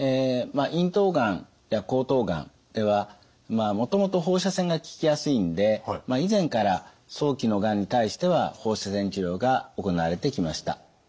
咽頭がんや喉頭がんではもともと放射線が効きやすいんで以前から早期のがんに対しては放射線治療が行われてきました。